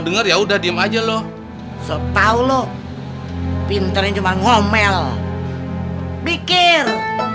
dengar ya udah diem aja loh setau lo pinternya cuma ngomel pikir